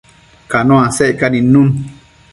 Cano asecca nidnun